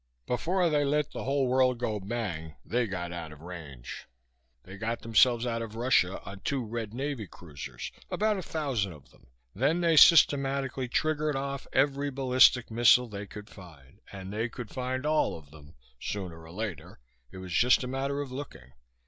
Before they let the whole world go bang they got out of range. They got themselves out of Russia on two Red Navy cruisers, about a thousand of them; then they systematically triggered off every ballistic missile they could find ... and they could find all of them, sooner or later, it was just a matter of looking.